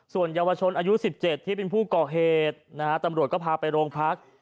ส่วนเยาวชนอายุ๑๗ที่เป็นผู้ก่อเหตุนะฮะตำรวจก็พาไปโรงพัก